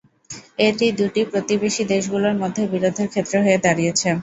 এটি দুটি প্রতিবেশী দেশগুলোর মধ্যে বিরোধের ক্ষেত্র হয়ে দাঁড়িয়েছে।